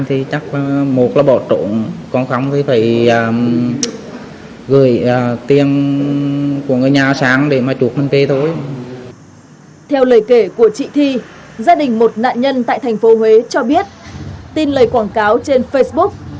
theo lời kể của chị thi gia đình một nạn nhân tại thành phố huế cho biết tin lời quảng cáo trên facebook